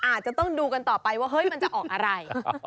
อาจจะต้องดูกันต่อไปว่าเฮ้ยมันจะออกอะไร